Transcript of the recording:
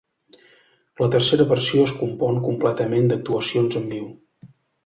La tercera versió es compon completament d'actuacions en viu.